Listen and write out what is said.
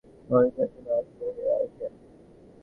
চোখের বালি দেশে যাইবার কথা বলিতেই তিনি অস্থির হইয়া ওঠেন।